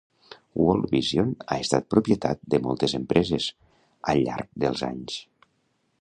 Worldvision ha estat propietat de moltes empreses al llarg dels anys.